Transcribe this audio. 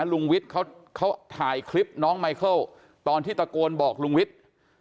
ลุงวิทย์เขาถ่ายคลิปน้องไมเคิลตอนที่ตะโกนบอกลุงวิทย์